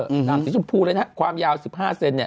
ดำสีชมพูเลยนะครับความยาว๑๕เซนเนี่ย